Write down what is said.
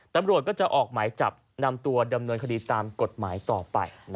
ตำรวจก็จะออกหมายจับนำตัวดำเนินคดีตามกฎหมายต่อไป